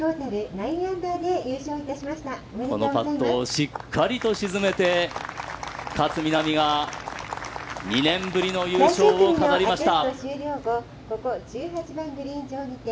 このパットをしっかりと沈めて勝みなみが、２年ぶりの優勝を飾りました。